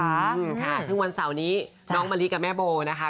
อืมค่ะซึ่งวันเสาร์นี้น้องมะลิกับแม่โบนะคะ